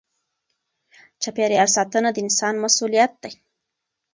چاپېریال ساتنه د انسان مسؤلیت دی.